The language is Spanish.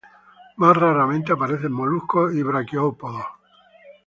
Más raramente aparecen moluscos y braquiópodos.